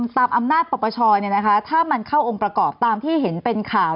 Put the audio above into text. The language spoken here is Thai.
ตามอำนาจประปเชาะเนี่ยนะคะถ้ามันเข้าองค์ประกอบตามที่เห็นเป็นข่าว